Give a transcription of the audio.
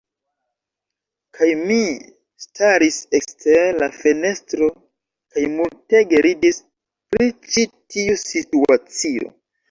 Kaj mi, staris ekster la fenestro, kaj multege ridis pri ĉi tiu situacio.